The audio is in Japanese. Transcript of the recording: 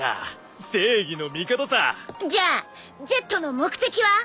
じゃあＺの目的は？